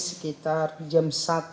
sekitar jam satu tiga puluh